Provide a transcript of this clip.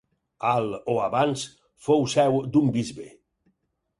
Al o abans, fou seu d'un bisbe.